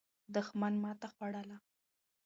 دښمن ماته خوړله.